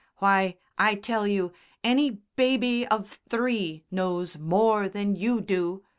Why, I tell you, any baby of three knows more than you do!